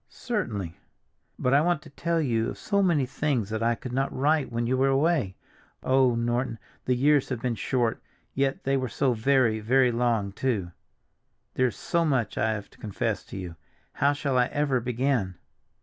"Certainly." "But I want to tell you of so many things that I could not write when you were away. Oh, Norton, the years have been short, yet they were so very, very long, too! There is so much I have to confess to you—how shall I ever begin?"